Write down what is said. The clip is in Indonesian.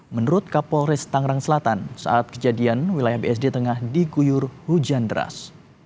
menurut kapolres tangerang selatan saat kejadian wilayah bsd tengah diguyur hujan deras